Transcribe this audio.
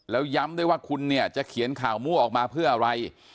แล้วย้ำด้วยว่าคุณเนี่ยจะเขียนข่าวมั่วออกมาเพื่ออะไร